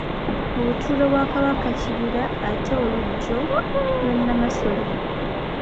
Obutuulo bwa Kabaka kibira ate olujjo lwa Namasole.